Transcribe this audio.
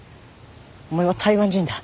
お前は台湾人だ。